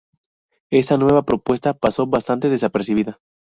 Esta nueva propuesta pasó bastante desapercibida.